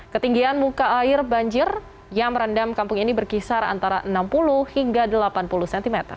ketinggian muka air banjir yang merendam kampung ini berkisar antara enam puluh hingga delapan puluh cm